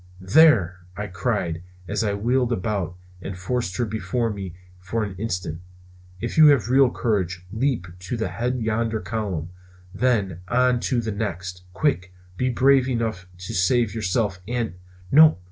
"There!" I cried as I wheeled about and forced her before me for an instant, "if you have real courage leap to the head of yonder column, then on to the next! Quick! be brave enough to save yourself and " "No!